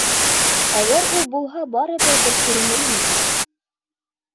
Әгәр ул булһа барыбер бер күренер ине бит ул...